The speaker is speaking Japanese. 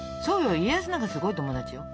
家康なんかすごい友達よ。